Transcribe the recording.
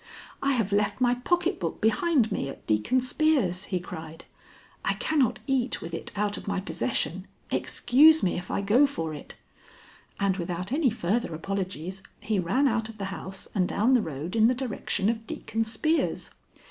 'I have left my pocket book behind me at Deacon Spear's,' he cried. 'I cannot eat with it out of my possession. Excuse me if I go for it.' And without any further apologies, he ran out of the house and down the road in the direction of Deacon Spear's.